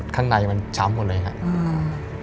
ข้างในมันช้ำหมดเลยครับ